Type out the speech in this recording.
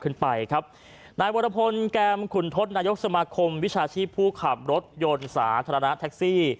ขึ้นไปครับนายวรพลแก้มขุนทศนายกสมาคมวิชาชีพผู้ขับรถยนต์สาธารณะแท็กซี่